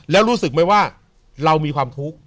แล้วรู้สึกไหมว่าเรามีความทุกข์